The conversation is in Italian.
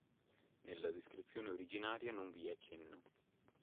Nella descrizione originaria non vi è cenno.